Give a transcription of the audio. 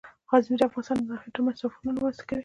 غزني د افغانستان د ناحیو ترمنځ تفاوتونه رامنځ ته کوي.